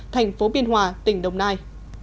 tp biên hòa tỉnh đồng nai